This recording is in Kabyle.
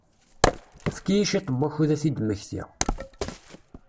Efk-iyi cwiṭ n wakud ad t-id-mmektiɣ.